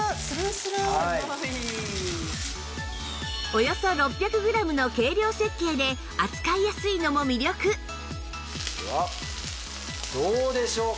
およそ６００グラムの軽量設計で扱いやすいのも魅力ではどうでしょうか？